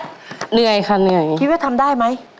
เหนื่อยค่ะเหนื่อยคิดว่าทำได้ไหม